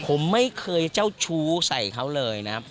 ผมไม่เคยเจ้าชู้ใส่เขาเลยนะครับ